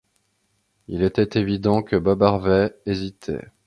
Il était évident que Bob Harvey hésitait